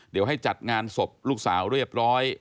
เดี๋ยวให้จัดงานศพลูกสาวเรียบร้อย